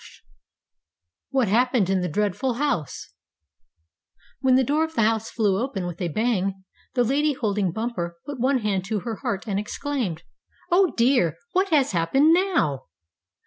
STORY IV WHAT HAPPENED IN THE DREADFUL HOUSE When the door of the house flew open with a bang, the lady holding Bumper put one hand to her heart, and exclaimed: "Oh, dear, what has happened now!"